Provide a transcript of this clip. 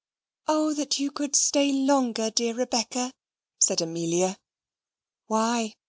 "O that you could stay longer, dear Rebecca," said Amelia. "Why?"